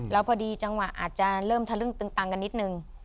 แล้วพอดีจังหวะอาจจะเริ่มทะลึ่งตึงตังกันนิดนึง